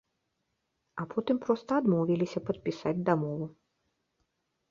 А потым проста адмовіліся падпісаць дамову.